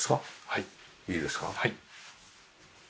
はい。